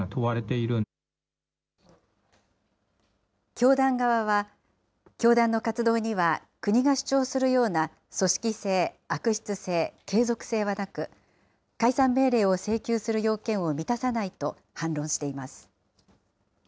教団側は、教団の活動には国が主張するような組織性、悪質性、継続性はなく、解散命令を請求する要件を満たさないと反論しています。